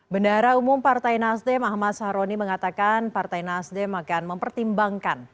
bendahara umum partai nasdem ahmad saroni mengatakan partai nasdem akan mempertimbangkan